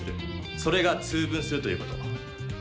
それが「通分」するということ。